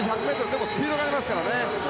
でもスピードがありますからね。